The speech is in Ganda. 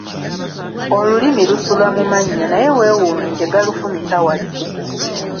Olulimi lusula mu mannyo naye weewuunye tegalufumita wadde.